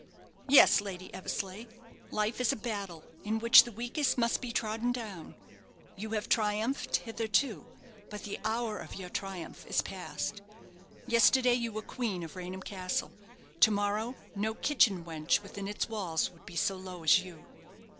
"Yes, Lady Eversleigh. Life is a battle, in which the weakest must be trodden down; you have triumphed hitherto, but the hour of your triumph is past. Yesterday you were queen of Raynham Castle; to morrow no kitchen wench within its walls will be so low as you."